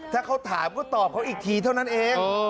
ถ้าเขาถามก็ตอบเขาอีกทีเท่านั้นเอง